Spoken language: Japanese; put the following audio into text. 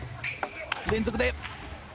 連続で。